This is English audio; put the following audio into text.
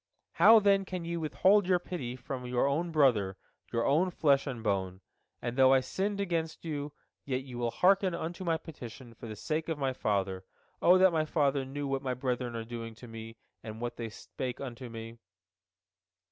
How, then, can ye withhold your pity from your own brother, your own flesh and bone? And though I sinned against you, yet you will hearken unto my petition for the sake of my father. O that my father knew what my brethren are doing unto me, and what they spake unto me!"